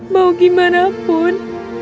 mau gimana pun